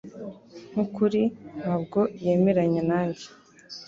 Nkukuri, ntabwo yemeranya nanjye.